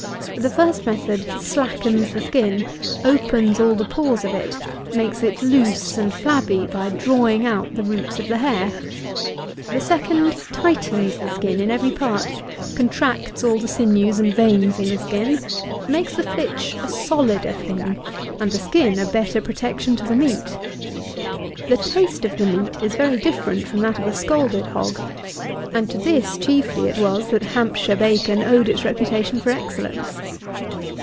The first method slackens the skin, opens all the pores of it, makes it loose and flabby by drawing out the roots of the hair. The second tightens the skin in every part, contracts all the sinews and veins in the skin, makes the flitch a solider thing, and the skin a better protection to the meat. The taste of the meat is very different from that of a scalded hog; and to this chiefly it was that Hampshire bacon owed its reputation for excellence.